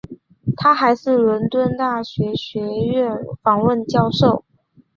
他还是伦敦大学学院访问教授。